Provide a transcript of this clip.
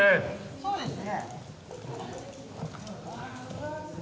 そうですね